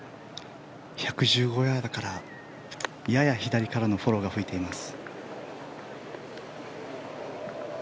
１１５ヤード。やや左からのフォローが吹いています。